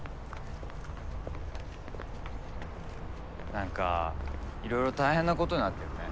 何かいろいろ大変なことになってるね。